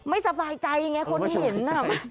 ไม่สบายใจไงคนเห็นน่ะ